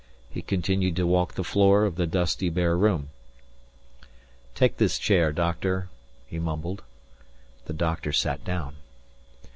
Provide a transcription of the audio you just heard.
He continued to walk the floor of the dusty bare room. "Take this chair, doctor," he mumbled. The doctor sat down.